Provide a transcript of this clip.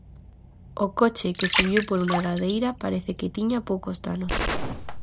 O coche, que subiu por unha ladeira, parece que tiña poucos danos.